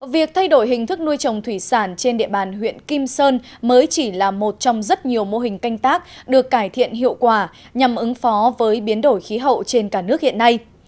việc thay đổi hình thức nuôi trồng thủy sản trên địa bàn huyện kim sơn mới chỉ là một trong rất nhiều mô hình canh tác được cải thiện hiệu quả nhằm ứng phó với biến đổi khí hậu trên cả nước hiện nay